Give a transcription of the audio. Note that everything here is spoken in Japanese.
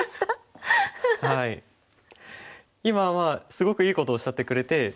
今はすごくいいことをおっしゃってくれて。